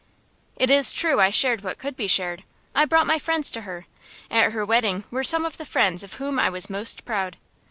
It is true I shared what could be shared. I brought my friends to her. At her wedding were some of the friends of whom I was most proud.